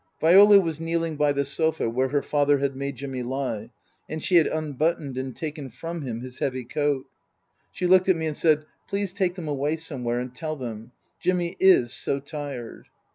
Viola was kneeling by the sofa where her father had made Jimmy lie, and she had unbuttoned and taken from him his heavy coat. She looked at me and said, " Please take them away somewhere and tell them. Jimmy is so tired."